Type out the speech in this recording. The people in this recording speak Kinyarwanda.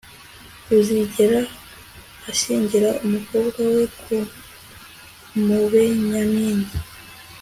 uzigera ashyingira umukobwa we ku mubenyamini